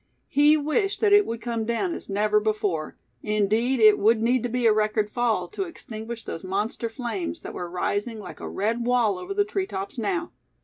He wished that it would come down as never before; indeed, it would need to be a record fall, to extinguish those monster flames that were rising like a red wall over the treetops now.